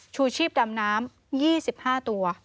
ชูชีพดำน้ำ๒๕ตัว